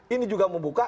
ini juga mau buka